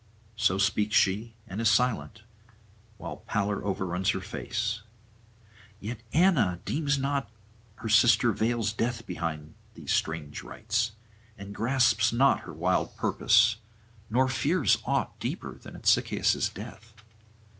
So speaks she, and is silent, while pallor overruns her face. Yet Anna deems not her sister veils death behind these strange rites, and grasps not her wild purpose, nor fears aught deeper than at Sychaeus' death.